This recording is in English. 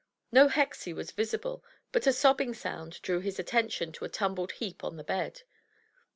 No Hexie was visible, but a sobbing sound drew his attention to a tumbled heap on the bed.